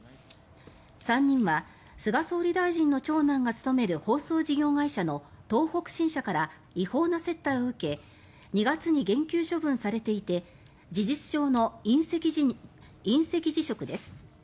３人は菅総理大臣の長男が勤める放送事業会社の東北新社から違法な接待を受け２月に減給処分されていて事実上の引責辞職です。